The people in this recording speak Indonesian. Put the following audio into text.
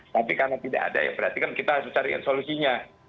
tapi karena tidak ada ya berarti kan kita harus cari solusinya